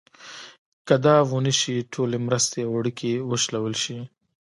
که دا ونه شي ټولې مرستې او اړیکې وشلول شي.